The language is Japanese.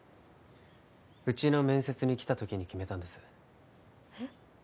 うちの面接に来た時に決めたんですえっ？